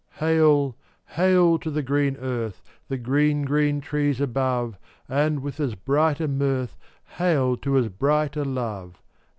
414 Hail! Hail! to the green earth, The green, green trees above, And with as bright a mirth, Hail to as bright a love!